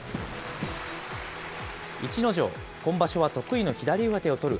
逸ノ城、今場所は得意の左上手を取る